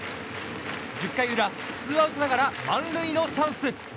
１０回裏、ツーアウトながら満塁のチャンス。